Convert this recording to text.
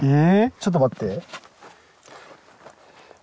ちょっと待って。